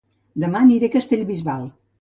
Dema aniré a Castellbisbal